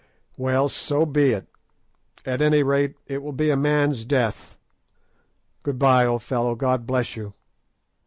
Well, so be it; at any rate, it will be a man's death. Good bye, old fellow. God bless you!